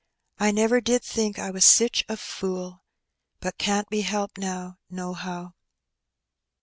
I never did think I was sich a fool. But can't be helped now, nohow."